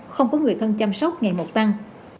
không có người thân chăm sóc ngày một tăng